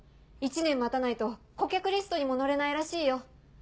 「１年待たないと顧客リストにも載れないらしいよ」。